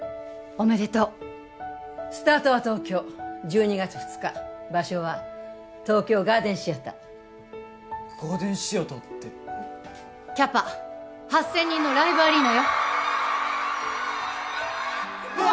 おめでとうスタートは東京１２月２日場所は東京ガーデンシアターガーデンシアターってキャパ８０００人のライブアリーナようわ！